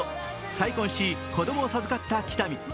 再婚し、子供を授かった喜多見。